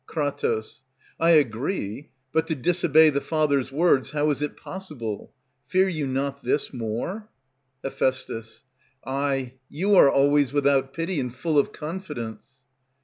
Kr. I agree, but to disobey the Father's words How is it possible? Fear you not this more? Heph. Ay, you are always without pity, and full of confidence.